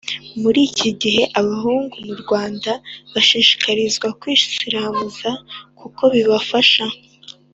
muri iki gihe abahungu mu rwanda barashishikarizwa kwisiramuza kuko bibafasha